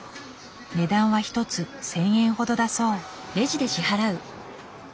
値段は一つ１，０００円ほどだそう。